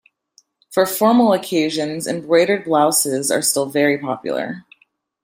For formal occasions, embroidered blouses are still very popular.